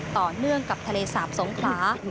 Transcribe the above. ต่อเนื่องกับทะเลสาบสงขลา